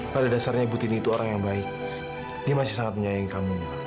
pada dasarnya butini itu orang yang baik dia masih sangat menyayangi kamu